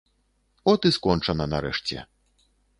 От і скончана нарэшце.